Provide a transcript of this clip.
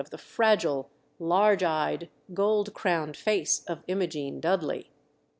of the fragile, large eyed, gold crowned face of Imogene Dudley.